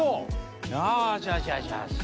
よしよしよし。